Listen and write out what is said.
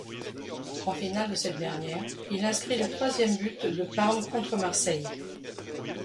En finale de cette dernière, il inscrit le troisième but de Parme contre Marseille.